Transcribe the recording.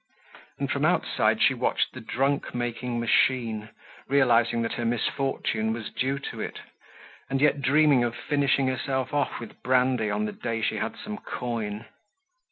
And from outside she watched the drunk making machine, realizing that her misfortune was due to it, and yet dreaming of finishing herself off with brandy on the day she had some coin.